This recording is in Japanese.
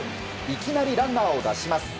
いきなりランナーを出します。